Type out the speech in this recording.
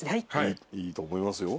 いいと思いますよ。